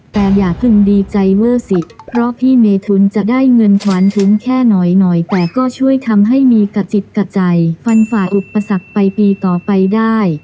แต่อย่าเพิ่งดีใจเวอร์สิเพราะพี่เมทุนจะได้เงินขวานทุนแค่หน่อยแต่ก็ช่วยทำให้มีกระจิตกระใจฟันฝ่าอุปสรรคไปปีต่อไปได้